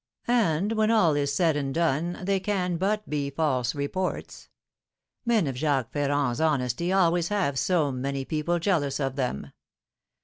And, when all is said and done, they can but be false reports. Men of Jacques Ferrand's honesty always have so many people jealous of them!